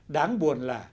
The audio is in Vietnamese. đáng buồn là